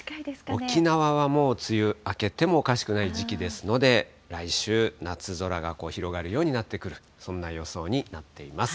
沖縄はもう梅雨明けてもおかしくない時期ですので、来週、夏空が広がるようになってくる、そんな予想になっています。